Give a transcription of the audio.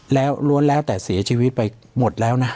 แล้วล้วนแล้วแต่เสียชีวิตไปหมดแล้วนะ